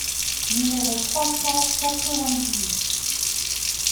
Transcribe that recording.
Numéro trois cent quatre-vingt-dix-huit.